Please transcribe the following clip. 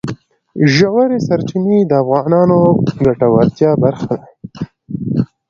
ژورې سرچینې د افغانانو د ګټورتیا برخه ده.